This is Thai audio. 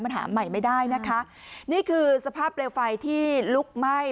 มันหาใหม่ไม่ได้นะคะนี่คือสภาพเปลวไฟที่ลุกไหม้